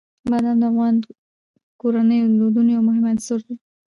بادام د افغان کورنیو د دودونو یو مهم عنصر دی.